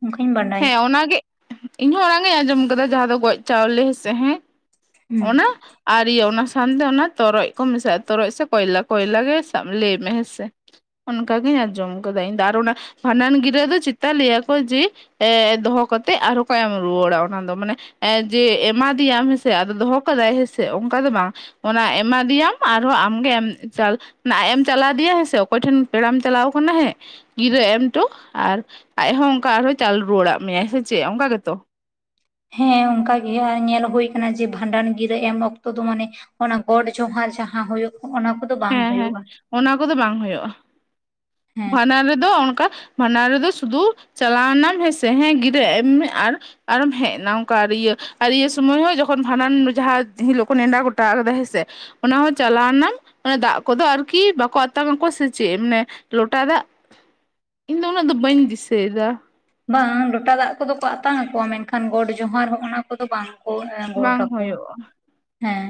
ᱦᱮᱸ ᱚᱱᱟᱜᱮ ᱤᱧ ᱦᱚᱧ ᱚᱱᱟᱜᱤᱧ ᱟᱸᱡᱚᱢ ᱠᱟᱫᱟ ᱡᱟᱦᱟᱸ ᱫᱚ ᱜᱚᱡ ᱪᱟᱣᱞᱮ ᱦᱮᱸ ᱥᱮ ᱦᱮᱸ ᱾ ᱦᱩᱸ ᱚᱱᱟ ᱟᱨ ᱤᱭᱟᱹ ᱚᱱᱟ ᱥᱟᱝᱛᱮ ᱚᱱᱟ ᱛᱚᱨᱚᱡ ᱠᱚ ᱢᱮᱥᱟᱜᱼᱟ ᱛᱚᱨᱚᱡ ᱥᱮ ᱠᱚᱭᱞᱟ, ᱠᱚᱭᱞᱟ ᱜᱮ ᱥᱟᱵ ᱞᱟᱹᱭ ᱢᱮ ᱦᱮᱸᱥᱮ ᱾ ᱚᱱᱠᱟᱜᱤᱧ ᱟᱸᱡᱚᱢ ᱟᱠᱟᱫᱟ ᱤᱧ ᱫᱚ ᱟᱨ ᱚᱱᱟ ᱵᱷᱟᱸᱰᱟᱱ ᱜᱤᱨᱟᱹ ᱫᱚ ᱪᱮᱛ ᱞᱟᱹᱭᱟᱠᱚ ᱡᱮ ᱮ ᱫᱚᱦᱚ ᱠᱟᱛᱮᱜ ᱟᱨᱦᱚ ᱠᱚ ᱮᱢ ᱨᱩᱣᱟᱹᱲᱟ ᱚᱱᱟ ᱫᱚ ᱢᱟᱱᱮ ᱮ ᱡᱮ ᱮᱢᱟ ᱫᱮᱭᱟᱢ ᱦᱮᱸᱥᱮ ᱾ ᱫᱚᱦᱚ ᱠᱟᱫᱟᱭ ᱦᱮᱸᱥᱮ ᱚᱱᱠᱟ ᱫᱚ ᱵᱟᱝ, ᱚᱱᱟ ᱮᱢᱟᱫᱮᱭᱟᱢ ᱟᱨᱦᱚᱸ ᱟᱢᱜᱮ ᱮᱢ ᱪᱟᱞ ᱟᱡᱮ ᱮᱢ ᱪᱟᱞᱟᱣ ᱫᱮᱭᱟ ᱦᱮᱸ ᱥᱮ ᱚᱠᱚᱭ ᱴᱷᱮᱱ ᱯᱮᱲᱟᱢ ᱪᱟᱞᱟᱣ ᱠᱟᱱᱟ ᱦᱮᱸ ᱜᱤᱨᱟᱹ ᱮᱢᱴᱚ ᱟᱨ ᱟᱡ ᱦᱚᱸ ᱚᱱᱠᱟ ᱟᱨᱦᱚᱸ ᱪᱟᱞ ᱨᱩᱣᱟᱹᱲᱟᱜ ᱢᱮᱭᱟᱭ ᱥᱮ ᱪᱮᱫ ᱚᱱᱠᱟ ᱜᱮᱛᱚ! ᱦᱮᱸ ᱚᱱᱠᱟ ᱜᱮ ᱟᱨ ᱧᱮᱞ ᱦᱩᱭ ᱟᱠᱟᱱᱟ ᱡᱮ ᱵᱷᱟᱸᱰᱟᱱ ᱜᱤᱨᱟᱹ ᱮᱢ ᱚᱠᱛᱚ ᱫᱚ ᱢᱟᱱᱮ ᱚᱱᱟ ᱜᱚᱰ ᱡᱚᱦᱟᱨ ᱡᱟᱦᱟᱸ ᱦᱩᱭᱩᱜ ᱚᱱᱟ ᱠᱚᱫᱚ ᱵᱟᱝ ᱦᱮᱸ ᱦᱮᱸ ᱦᱩᱭᱩᱜᱼᱟ ᱾ ᱚᱱᱟ ᱠᱚᱫᱚ ᱵᱟᱝ ᱦᱩᱭᱩᱜᱼᱟ ᱾ ᱦᱮᱸ ᱵᱷᱟᱸᱰᱟᱱ ᱨᱮᱫᱚ ᱚᱱᱠᱟ ᱵᱷᱟᱸᱰᱟᱱ ᱨᱮᱫᱚ ᱥᱩᱫᱷᱩ ᱪᱟᱞᱟᱣᱱᱟᱢ ᱦᱮᱸᱥᱮ ᱦᱮᱸ ᱜᱤᱨᱟᱹ ᱮᱢ ᱢᱮ ᱟᱨ ᱟᱨᱮᱢ ᱦᱮᱡ ᱮᱱᱟ ᱚᱝᱠᱟ ᱤᱭᱟᱹ ᱤᱭᱟᱹ ᱥᱚᱢᱚᱭ ᱦᱚᱸ ᱡᱚᱠᱷᱚᱱ ᱵᱷᱟᱸᱰᱟᱱ ᱡᱟᱦᱟᱸ ᱦᱤᱞᱳᱜ ᱱᱮᱸᱰᱟ ᱜᱚᱴᱟ ᱠᱟᱫᱟ ᱦᱮᱸᱥᱮ ᱾ ᱚᱱᱟ ᱦᱚᱸ ᱪᱟᱞᱟᱣᱱᱟᱢ ᱚᱱᱟ ᱫᱟᱜ ᱠᱚᱫᱚ ᱟᱨᱠᱤ ᱵᱟᱠᱚ ᱟᱛᱟᱱᱟᱠᱚ ᱥᱮ ᱪᱮᱫ ᱢᱟᱱᱮ ᱞᱚᱴᱟ ᱫᱟᱜ ᱤᱧ ᱫᱚ ᱩᱱᱟᱹᱜ ᱫᱚ ᱵᱟᱹᱧ ᱫᱤᱥᱟᱹᱭᱮᱫᱟ! ᱵᱟᱝ ᱞᱚᱴᱟ ᱫᱟᱜ ᱠᱚᱫᱚ ᱠᱚ ᱟᱛᱟᱝ ᱟᱠᱚᱣᱟ, ᱢᱮᱱᱠᱷᱟᱱ ᱜᱚᱰ ᱡᱚᱦᱟᱨ ᱦᱚᱸ ᱦᱚᱜᱼᱚᱱᱟ ᱠᱚᱫᱚ ᱵᱟᱝ ᱾ ᱠᱚ ᱮ ᱜᱚᱴ ᱵᱟᱝ ᱟᱠᱚ ᱦᱳᱭᱳᱜᱼᱟ ᱦᱮᱸ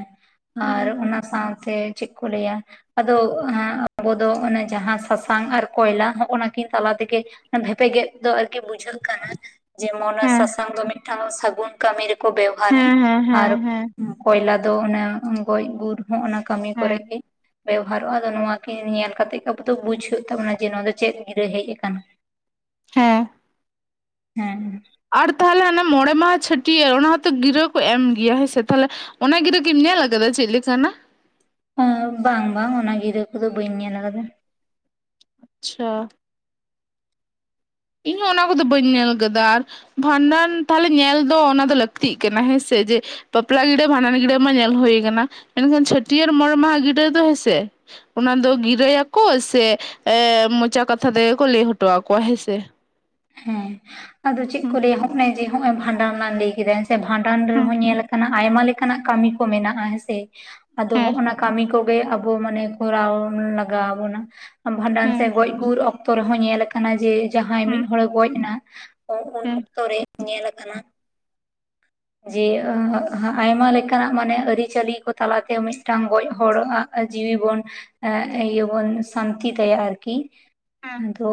ᱦᱩᱸ ᱟᱨ ᱦᱩᱸ ᱚᱱᱟ ᱥᱟᱶᱛᱮ ᱪᱮᱫ ᱠᱚ ᱞᱟᱹᱭᱟ! ᱟᱫᱚ ᱦᱟᱸ ᱟᱵᱚ ᱫᱚ ᱚᱱᱮ ᱡᱟᱦᱟᱸ ᱥᱟᱥᱟᱝ ᱟᱨ ᱠᱚᱭᱞᱟ ᱦᱚᱸᱜᱼ ᱱᱟᱠᱤᱱ ᱛᱟᱞᱟ ᱛᱮᱜᱮ ᱵᱷᱮᱯᱮᱜᱮᱫ ᱫᱚ ᱟᱨᱠᱤ ᱵᱩᱡᱷᱟᱹᱜ ᱠᱟᱱᱟ, ᱡᱮᱢᱚᱱᱮ ᱦᱮᱸ ᱥᱟᱥᱟᱝ ᱫᱚ ᱢᱤᱫᱴᱟᱝ ᱫᱚ ᱥᱟᱹᱜᱩᱱ ᱠᱟᱹᱢᱤ ᱨᱮᱠᱚ ᱵᱮᱣᱦᱟᱨᱟ ᱦᱮᱸ ᱦᱮᱸ ᱟᱨ ᱦᱮᱸ ᱠᱚᱭᱞᱟ ᱫᱚ ᱚᱱᱮ ᱜᱚᱡ ᱜᱩᱨ ᱦᱚᱸᱜᱼᱚᱱᱟ ᱠᱟᱹᱢᱤ ᱦᱮᱸ ᱠᱚᱨᱮᱜ ᱜᱮ ᱵᱮᱵᱚᱦᱟᱨᱚᱜᱼᱟ ᱟᱫᱚ ᱱᱚᱣᱟ ᱠᱤᱱ ᱧᱮᱞ ᱠᱟᱛᱮᱜ ᱜᱮ ᱟᱵᱚ ᱵᱩᱡ ᱦᱩᱭᱩᱜ ᱛᱟᱵᱚᱱᱟ ᱡᱮ ᱱᱚᱣᱟ ᱫᱚ ᱪᱮᱫ ᱜᱤᱨᱟᱹ ᱦᱮᱡ ᱟᱠᱟᱱᱟ? ᱦᱮᱸ ᱾ ᱦᱮᱸ ᱾ ᱟᱲ ᱛᱟᱦᱚᱞᱮ ᱦᱟᱱᱮ ᱢᱚᱬᱮ ᱢᱟᱦᱟ ᱪᱷᱟᱹᱴᱭᱟᱹᱨ ᱚᱱᱟ ᱦᱚᱸᱛᱚ ᱜᱤᱨᱟᱹ ᱠᱚ ᱮᱢ ᱜᱮᱭᱟ ᱦᱮᱸ ᱥᱮ, ᱛᱟᱦᱚᱞᱮ ᱚᱱᱟ ᱜᱤᱨᱟᱹ ᱠᱤᱢ ᱧᱮᱞ ᱟᱠᱟᱫᱟ ᱪᱮᱫ ᱞᱮᱠᱟᱱᱟᱜ? ᱦᱮᱸ, ᱵᱟᱝ ᱵᱟᱝ ᱚᱱᱟ ᱜᱤᱨᱟᱹ ᱠᱚᱫᱚ ᱵᱟᱹᱧ ᱧᱮᱞ ᱟᱠᱟᱫᱟ ᱾ ᱟᱪᱪᱷᱟ ᱾ ᱤᱧ ᱦᱚᱸ ᱚᱱᱟ ᱠᱚᱫᱚ ᱵᱟᱹᱧ ᱧᱮᱞ ᱟᱠᱟᱫᱟ, ᱟᱨ ᱵᱷᱟᱸᱰᱟᱱ ᱛᱟᱦᱚᱞᱮ ᱧᱮᱞ ᱫᱚ ᱚᱱᱟ ᱫᱚ ᱞᱟᱹᱠᱛᱤᱜ ᱠᱟᱱᱟ ᱦᱮᱸᱥᱮ, ᱡᱮ ᱵᱟᱯᱞᱟ ᱜᱤᱲᱟᱹ ᱵᱷᱟᱸᱰᱟᱱ ᱜᱤᱲᱟᱹ ᱢᱟ ᱧᱮᱞ ᱦᱩᱭ ᱠᱟᱱᱟ, ᱢᱮᱱᱠᱷᱟᱱ ᱪᱷᱟᱹᱴᱭᱟᱹᱨ ᱢᱚᱬᱮ ᱢᱟᱦᱟ ᱜᱤᱰᱟᱹ ᱫᱚ ᱦᱮᱸᱥᱮ᱾ ᱚᱱᱟ ᱫᱚ ᱜᱤᱨᱟᱹᱭᱟᱠᱚ ᱥᱮ ᱮ ᱢᱚᱪᱟ ᱠᱟᱛᱷᱟ ᱛᱮᱜᱮ ᱠᱚ ᱞᱟᱹᱭ ᱦᱚᱴᱚ ᱟᱠᱚᱣᱟ ᱦᱮᱸᱥᱮ? ᱦᱮᱸ, ᱟᱫᱚ ᱪᱮᱫ ᱠᱚ ᱦᱩᱸ ᱞᱟᱹᱭᱟ ᱦᱚᱜᱼᱚᱭ ᱡᱮ ᱦᱚᱜᱼᱚᱭ ᱵᱷᱟᱸᱰᱟᱱ ᱞᱟᱝ ᱞᱟᱹᱭ ᱠᱮᱫᱟ ᱦᱮᱸᱥᱮ ᱵᱷᱟᱸᱰᱟᱱ ᱦᱩᱸ ᱨᱮᱦᱚᱸ ᱧᱮᱞ ᱟᱠᱟᱱᱟ ᱟᱭᱢᱟ ᱞᱮᱠᱟᱱᱟᱜ ᱠᱟᱹᱢᱤ ᱠᱚ ᱢᱮᱱᱟᱜᱼᱟ ᱦᱮᱸᱥᱮ ᱾ ᱟᱫᱚ ᱦᱩᱸ ᱦᱚᱜᱱᱟ ᱠᱟᱹᱢᱤ ᱠᱚᱜᱮ ᱟ ᱵᱚ ᱢᱟᱱᱮ ᱠᱚᱨᱟᱣ ᱞᱟᱜᱟᱶᱵᱚᱱᱟ᱾ ᱵᱷᱟᱸᱰᱟᱱ ᱥᱮᱫ ᱦᱩᱸ ᱜᱚᱡ ᱜᱩᱨ ᱚᱠ ᱛᱚ ᱨᱮᱦᱚᱸ ᱧᱮᱞ ᱟᱠᱟᱱᱟ ᱡᱮ ᱡᱟᱦᱟᱸᱭ ᱢᱤᱫ ᱦᱚᱲᱮ ᱜᱚᱡ ᱮᱱᱟ ᱩᱱ ᱦᱩᱸ ᱚᱠᱛᱚ ᱨᱮ ᱧᱮᱞ ᱟᱠᱟᱱᱟ᱾ ᱡᱮ [inaudible] ᱟᱭᱢᱟ ᱞᱮᱠᱟᱱᱟᱜ ᱢᱟᱱᱮ ᱟᱹᱨᱤᱪᱟᱹᱞᱤ ᱠᱚ ᱛᱟᱞᱟᱛᱮ ᱢᱤᱫᱴᱟᱝ ᱜᱚᱡ ᱦᱚᱲᱼᱟᱜ ᱡᱤᱣᱤ ᱵᱚᱱ ᱮ ᱤᱭᱟᱹ ᱵᱚᱱ ᱥᱟᱱᱛᱤ ᱛᱟᱭᱟ ᱟᱨᱠᱤ᱾ ᱟᱫᱚ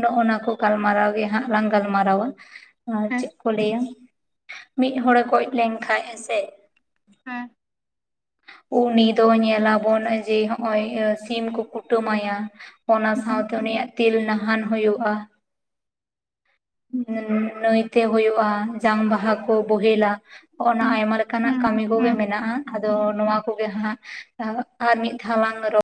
ᱱᱚᱜᱼᱚ ᱱᱟ ᱠᱚ ᱜᱟᱞᱢᱟᱨᱟᱣ ᱜᱮ ᱦᱟᱸᱜ ᱞᱟᱝ ᱜᱟᱞᱢᱟᱨᱟᱣᱟ ᱾ ᱟᱨ ᱦᱩᱸ ᱪᱮᱫ ᱠᱚ ᱞᱟᱹᱭᱟ ᱢᱤᱫ ᱦᱚᱲᱮ ᱜᱚᱡ ᱞᱮᱱ ᱠᱷᱟᱱᱡ ᱦᱮᱸᱥᱮ ᱾ ᱦᱮᱸ᱾ ᱩᱱᱤ ᱫᱚ ᱧᱮᱞᱟᱵᱚᱱ ᱡᱮ ᱦᱚᱸᱜᱼᱚᱭ ᱥᱤᱢ ᱠᱚ ᱠᱩᱴᱟᱹᱢᱟᱭᱟ, ᱚᱱᱟ ᱦᱩᱸ ᱥᱟᱶᱛᱮ ᱩᱱᱤᱭᱟᱜ ᱛᱤᱞ ᱱᱟᱦᱟᱸᱱ ᱦᱩᱭᱩᱜᱼᱟ᱾ ᱱᱟᱹᱭᱛᱮ ᱦᱳᱭᱳᱜᱼᱟ ᱡᱟᱝ ᱵᱟᱦᱟ ᱠᱚ ᱵᱳᱚᱦᱮᱞᱟ ᱚᱱᱟ ᱟᱭᱢᱟ ᱞᱮᱠᱟᱱᱟᱜ ᱦᱩᱸ ᱠᱟᱹᱢᱤ ᱦᱩᱸ ᱠᱚᱜᱮ ᱢᱮᱱᱟᱜᱼᱟ᱾ ᱟᱫᱚ ᱱᱚᱣᱟ ᱠᱚᱜᱮ ᱦᱟᱸᱜ ᱟᱨ ᱢᱤᱫ ᱫᱷᱟᱣ ᱞᱟᱝ ᱨᱚ